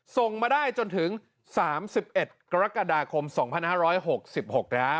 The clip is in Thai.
ส่งมาได้จนถึง๓๑กรกฎาคม๒๕๖๖แล้ว